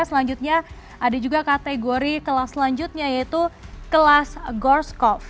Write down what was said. selanjutnya ada juga kategori kelas selanjutnya yaitu kelas gorskov